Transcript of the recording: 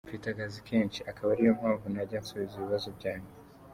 Mfite akazi kenshi, akaba ariyompamvu ntajyaga nsubiza ibibazo byanyu”.